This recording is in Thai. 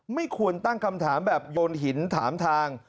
ไม่ควรตั้งคำถามแบบโยนหินถามทาง